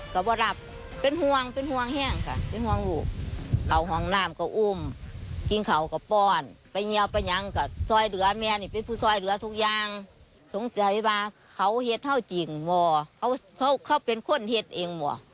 จากคุยธรรมทุกวัสดิบขายจากคุณ